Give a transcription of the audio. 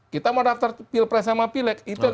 kita mau daftar pilpres sama pilek